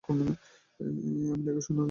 আমাকে লেখা শোনালে মুশকিলে পড়বে।